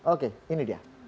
oke ini dia